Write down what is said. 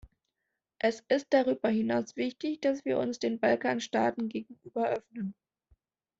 Es ist darüber hinaus wichtig, dass wir uns den Balkanstaaten gegenüber öffnen.